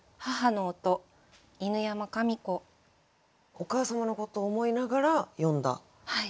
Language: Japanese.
お母様のことを思いながら詠んだ歌ということで。